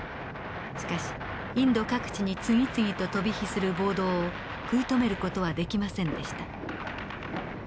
しかしインド各地に次々と飛び火する暴動を食い止める事はできませんでした。